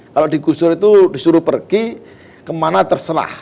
kalau digusur itu disuruh pergi kemana terserah